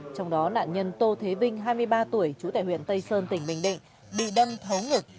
trong đó nạn nhân tô thế vinh hai mươi ba tuổi trú tại huyện tây sơn tỉnh bình định bị đâm thấu ngực